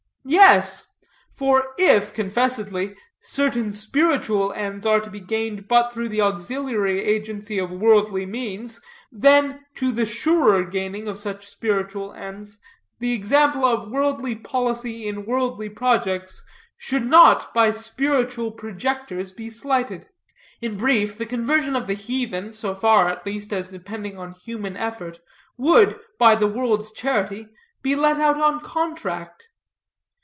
"Yes; for if, confessedly, certain spiritual ends are to be gained but through the auxiliary agency of worldly means, then, to the surer gaining of such spiritual ends, the example of worldly policy in worldly projects should not by spiritual projectors be slighted. In brief, the conversion of the heathen, so far, at least, as depending on human effort, would, by the world's charity, be let out on contract.